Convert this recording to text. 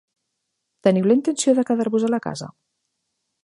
Teniu la intenció de quedar-vos a la casa?